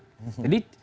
jadi kalau kita lihat